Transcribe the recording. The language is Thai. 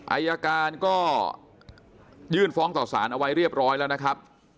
อายการก็ยื่นฟ้องต่อสารเอาไว้เรียบร้อยแล้วนะครับ